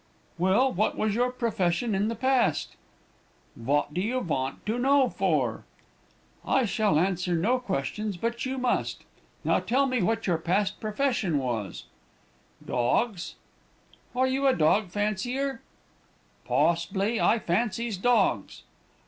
"'Well, what was your profession in the past?' "'Vot do you vant to know for?' "'I shall answer no questions; but you must. Now tell me what your past profession was.' "'Dogs.' "'Are you a dog fancier?' "'Poss'bly; I fancies dogs.'